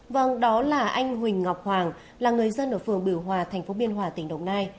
vâng đó là anh huỳnh ngọc hoàng là người dân ở phường biểu hòa thành phố biên hòa tỉnh đồng nai